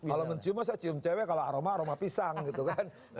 kalau mencium saya cium cewe kalau aroma aroma pisang gitu kan